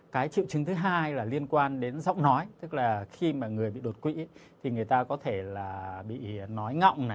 cái triệu chứng thứ hai là liên quan đến giọng nói tức là khi mà người bị đột quỵ thì người ta có thể là bị nói ngọng này